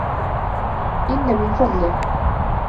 إنَّ مِنْ فَضْلِهِ